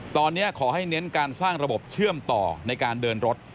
ตอนนี้ขอให้เน้นการสร้างระบบเชื่อมต่อในการเดินรถ